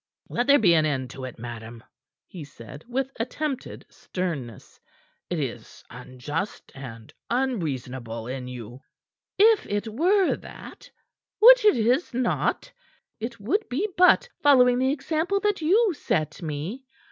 "Let there be an end to it, madam," he said with attempted sternness. "It is unjust and unreasonable in you." "If it were that which it is not it would be but following the example that you set me.